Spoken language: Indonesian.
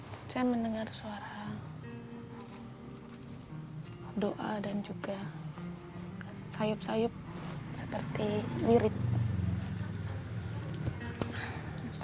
saya mendengar suara doa dan juga sayup sayup seperti mirip